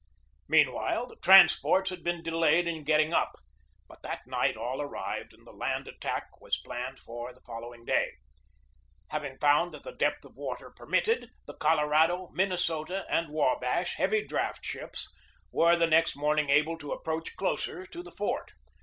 Meanwhile, the transports had been delayed in getting up. But that night all arrived and the land attack was planned for the following day. Having found that the depth of water permitted, the Colo rado, Minnesota, and Wabash, heavy draught ships, were the next morning able to approach closer to the fort.